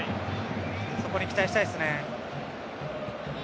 そこに期待したいですね。